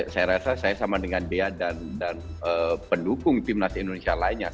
saya rasa saya sama dengan dea dan pendukung timnas indonesia lainnya